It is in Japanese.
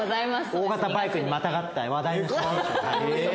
大型バイクにまたがった話題の写真集が。